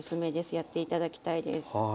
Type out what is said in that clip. やって頂きたいです。